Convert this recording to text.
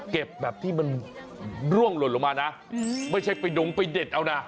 แบบที่มันร่วงหล่นลงมานะไม่ใช่ไปดงไปเด็ดเอานะ